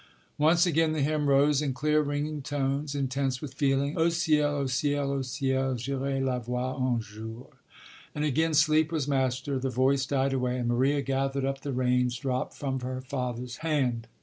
Once again the hymn rose in clear ringing tones, intense with feeling: Au ciel, au ciel, au ciel, J'irai la voir un jour .. And again sleep was master, the voice died away, and Maria gathered up the reins dropped from her father's hand.